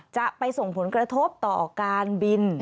จะไปส่งผลกระทบต่อการบิน